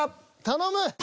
頼む！